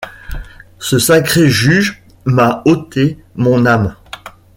Ce sacré juge m’a ôté mon âme.